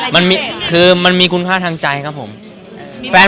ไม่มีไม่มีเก็บตัวแล้ว